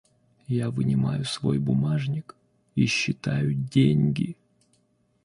Я вынимаю свой бумажник и считаю деньги.